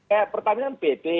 eh pertamanya kan pt